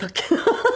ハハハ。